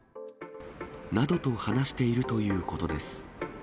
などと話しているということです。